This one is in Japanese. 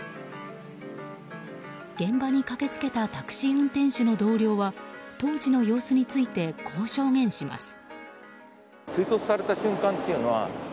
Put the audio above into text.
現場に駆け付けたタクシー運転手の同僚は当時の様子についてこう証言します。